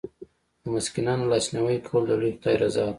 د مسکینانو لاسنیوی کول د لوی خدای رضا ده.